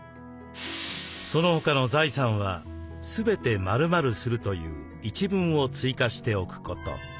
「その他の財産はすべて○○する」という一文を追加しておくこと。